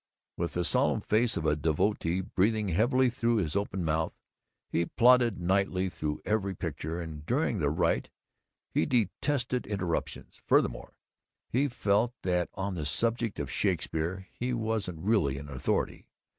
With the solemn face of a devotee, breathing heavily through his open mouth, he plodded nightly through every picture, and during the rite he detested interruptions. Furthermore, he felt that on the subject of Shakespeare he wasn't really an authority.